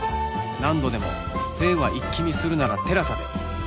何度でも全話イッキ見するなら ＴＥＬＡＳＡ で